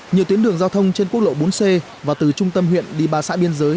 nhiều tuyến đường giao thông trên quốc lộ bốn c và từ trung tâm huyện đi ba xã biên giới